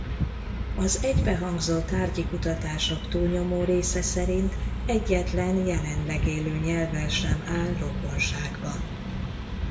Az egybehangzó tárgyi kutatások túlnyomó része szerint egyetlen jelenleg élő nyelvvel sem áll rokonságban.